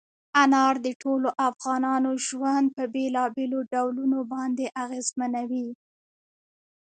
انار د ټولو افغانانو ژوند په بېلابېلو ډولونو باندې اغېزمنوي.